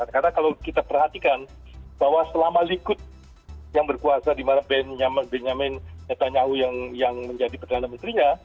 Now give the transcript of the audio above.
karena kalau kita perhatikan bahwa selama likud yang berkuasa di mana benjamin netanyahu yang menjadi perdana menterinya